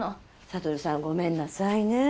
悟さんごめんなさいね。